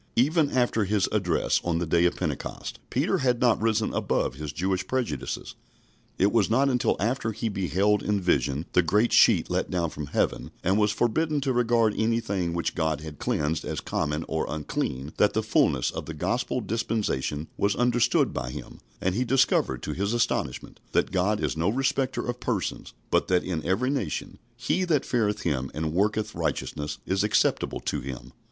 Even after his address on the day of Pentecost, Peter had not risen above his Jewish prejudices. It was not until after he beheld in vision the great sheet let down from heaven, and was forbidden to regard anything which God had cleansed as common or unclean, that the fulness of the Gospel dispensation was understood by him, and he discovered to his astonishment that God is no respecter of persons, but that in every nation he that feareth Him and worketh righteousness is acceptable to Him.